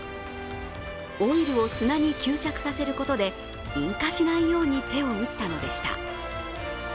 オイルを砂に吸着させることで引火しないように手を打ったのでした。